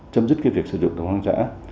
chấm dứt cái việc sử dụng đồng hành giã